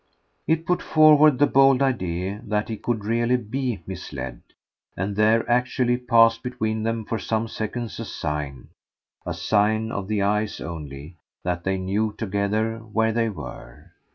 It put forward the bold idea that he could really BE misled; and there actually passed between them for some seconds a sign, a sign of the eyes only, that they knew together where they were.